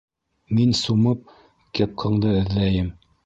- Мин сумып, кепкаңды эҙләйем.